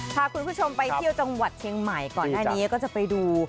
พาคุณผู้ชมไปเที่ยวจังหวัดเชียงใหม่ก่อนหน้านี้ก็จะไปดู